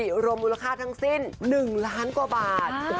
รวมมูลค่าทั้งสิ้น๑ล้านกว่าบาท